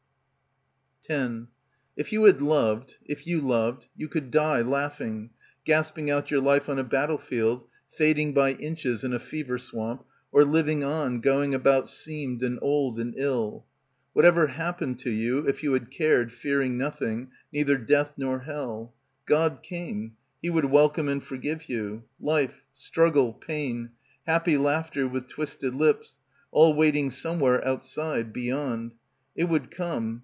10 ... If you had loved, if you loved, you could die, laughing, gasping out your life on a battle field, fading by inches in a fever swamp, or living on, going about seamed and old and ill. What ever happened to you, if you had cared, fearing nothing, neither death nor hell. God came. He would welcome and forgive you. Life, struggle, pain. Happy laughter with twisted lips — all waiting somewhere outside, beyond. It would come.